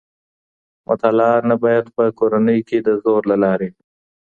مطالعه نباید په کورنۍ کي د زور له لاري وي.